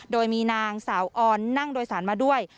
โดยมีนางสาวออนนั่งโดยสารมาด้วย